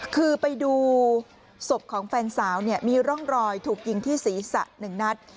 คือไปดูศพของแฟนสาวเนี่ยมีร่องรอยถูกยิงที่ศีรษะ๑นัด